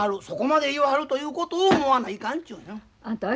そこまで言わはるということを思わないかんちゅうねん。